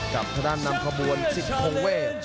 กับทะดานนำกระบวนสิทธิ์โพงเว่